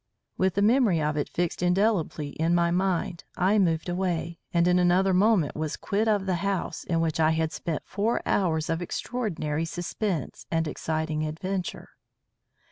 With the memory of it fixed indelibly in my mind, I moved away, and in another moment was quit of the house in which I had spent four hours of extraordinary suspense and exciting adventure.